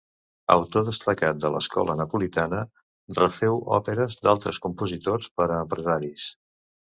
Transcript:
Autor destacat de l'escola napolitana, reféu òperes d'altres compositors per a empresaris.